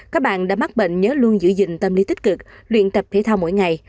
các bạn đã mắc bệnh nhớ luôn giữ gìn tâm lý tích cực luyện tập thể thao mỗi ngày